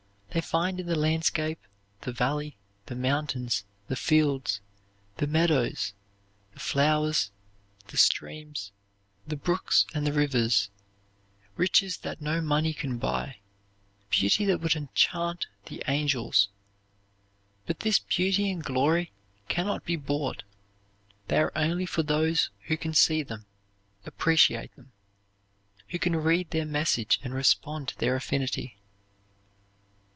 They find in the landscape, the valley, the mountains, the fields, the meadows, the flowers, the streams, the brooks and the rivers, riches that no money can buy; beauties that would enchant the angels. But this beauty and glory can not be bought; they are only for those who can see them, appreciate them who can read their message and respond to their affinity.